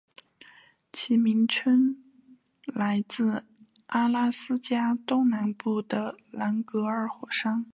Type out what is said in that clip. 其名称来自阿拉斯加东南部的兰格尔火山。